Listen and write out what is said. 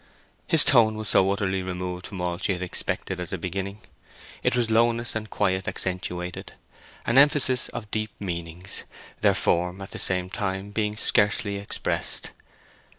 His tone was so utterly removed from all she had expected as a beginning. It was lowness and quiet accentuated: an emphasis of deep meanings, their form, at the same time, being scarcely expressed.